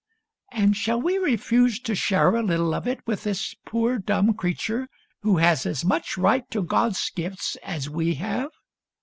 And shall we refuse to share a little of it with this poor dumb creature who has as much right to God's gifts as we have.?